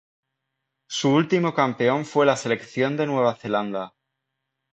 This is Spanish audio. Su último campeón fue la selección de Nueva Zelanda.